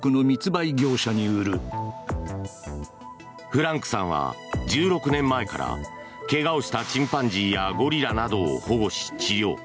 フランクさんは１６年前から怪我をしたチンパンジーやゴリラなどを保護し、治療。